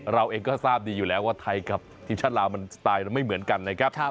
เราเองก็ทราบดีอยู่แล้วว่าไทยกับทีมชาติลาวมันสไตล์ไม่เหมือนกันนะครับ